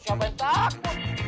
siapa yang takut